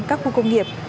các khu công nghiệp